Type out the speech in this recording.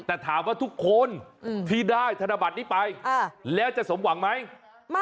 แต่ถามว่าทุกคนที่ได้ธนบัตรนี้ไปแล้วจะสมหวังไหม